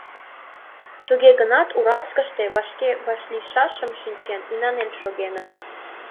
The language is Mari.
Туге гынат Уральскыште вашке вашлийшашым шинчен, инанен шогеныт.